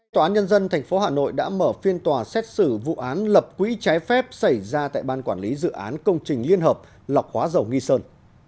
tòa án nhân dân tp hà nội đã mở phiên tòa xét xử vụ án lập quỹ trái phép xảy ra tại ban quản lý dự án công trình liên hợp lọc hóa dầu nghi sơn